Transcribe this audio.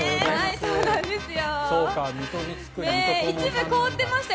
そうなんですよ。